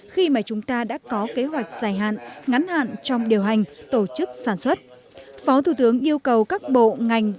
khi mà chúng ta đã có kế hoạch giải phóng